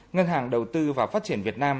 ngân hàng đầu tư và phát triển việt nam